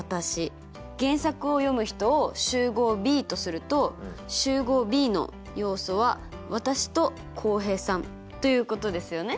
原作を読む人を集合Ｂとすると集合Ｂの要素は私と浩平さんということですよね。